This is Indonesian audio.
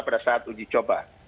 pada saat uji coba